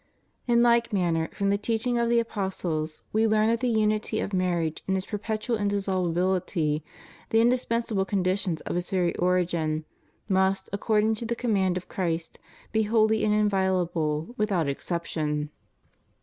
* In like manner from the teaching of the apostles we learn that the unity of marriage and its perpetual indissolubility, the indis pensable conditions of its very origin, must, according to the command of Christ, be holy and inviolable without exception.